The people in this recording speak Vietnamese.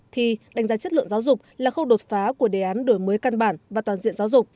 thì đánh giá chất lượng giáo dục là khâu đột phá của đề án đổi mới căn bản và toàn diện giáo dục